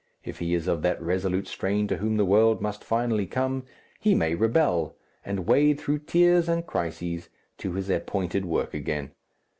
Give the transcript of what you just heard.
If he is of that resolute strain to whom the world must finally come, he may rebel and wade through tears and crises to his appointed work again.